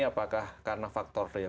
apakah karena faktor yang terjadi